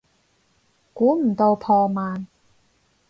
估唔到破万